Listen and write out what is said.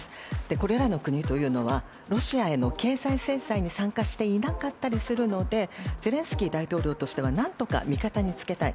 これらの国というのはロシアへの経済制裁に参加していなかったりするのでゼレンスキー大統領としては何とか味方につけたい。